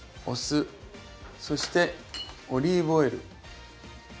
そしてオリーブオイル。